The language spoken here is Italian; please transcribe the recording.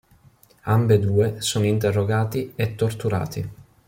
Ambedue sono interrogati e torturati.